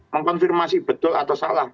mengkonfirmasi betul atau salah